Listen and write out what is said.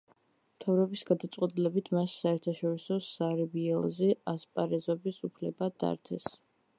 მთავრობის გადაწყვეტილებით მას საერთაშორისო სარბიელზე ასპარეზობის უფლება დართეს.